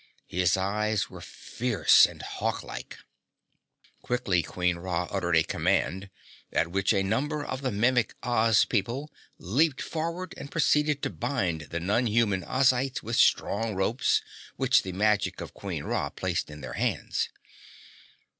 His eyes were fierce and hawklike. Quickly Queen Ra uttered a command, at which a number of the Mimic Oz people leaped forward and proceeded to bind the non human Ozites with strong ropes, which the magic of Queen Ra placed in their hands.